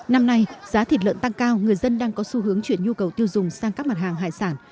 năm nay giá thịt lợn tăng cao người dân đang có xu hướng chuyển nhu cầu tiêu dùng sang các mặt hàng hải sản